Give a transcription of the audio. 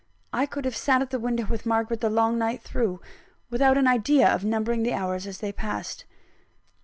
I could have sat at the window with Margaret the long night through; without an idea of numbering the hours as they passed.